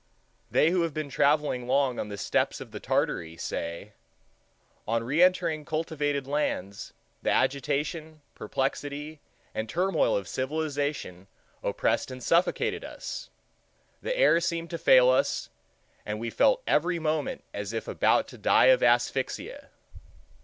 They who have been traveling long on the steppes of Tartary say, "On reentering cultivated lands, the agitation, perplexity, and turmoil of civilization oppressed and suffocated us; the air seemed to fail us, and we felt every moment as if about to die of asphyxia."